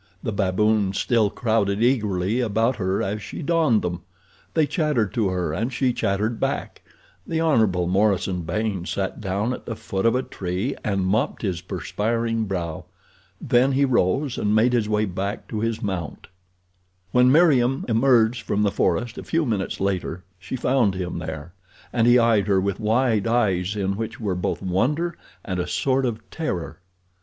The baboons still crowded eagerly about her as she donned them. They chattered to her and she chattered back. The Hon. Morison Baynes sat down at the foot of a tree and mopped his perspiring brow. Then he rose and made his way back to his mount. When Meriem emerged from the forest a few minutes later she found him there, and he eyed her with wide eyes in which were both wonder and a sort of terror.